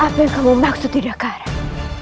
apa yang kamu maksud tidak karet